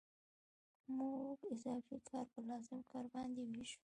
موږ اضافي کار په لازم کار باندې وېشو